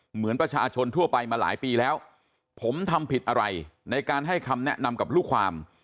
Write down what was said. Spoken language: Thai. เหมือนประชาชนทั่วไปมาหลายปีแล้วผมทำผิดอะไรในการให้คำแนะนำกับลูกความ